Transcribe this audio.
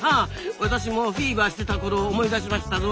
私もフィーバーしてたころを思い出しましたぞ。